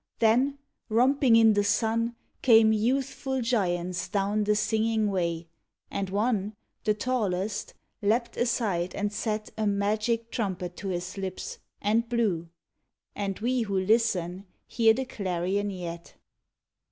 Then, romping in the sun, Came youthful giants down the Singing Way, And one, the tallest, leapt aside and set A magic trumpet to his lips, and blew, And we who listen hear the clarion yet.